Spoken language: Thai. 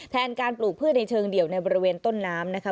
แทนการปลูกพืชในเชิงเดี่ยวในบริเวณต้นน้ำนะคะ